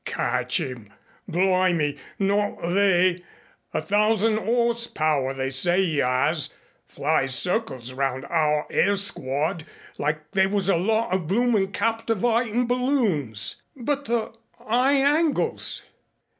"Catch 'im ? Bly me not they! A thousand 'orse power, they say 'e 'as flies circles round hour hair squad like they was a lot o' bloomink captivatin' balloons." "But the 'igh hangles